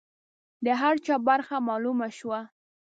د هر چا برخه معلومه شوه.